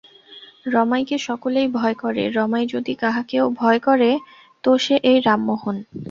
রমাইকে সকলেই ভয় করে, রমাই যদি কাহাকেও ভয় করে তো সে এই রামমোহন।